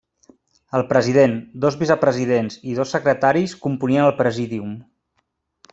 El president, dos vicepresidents i dos secretaris componien el Presídium.